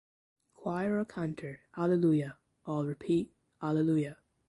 Choir or Cantor: Alleluia! All repeat: Alleluia!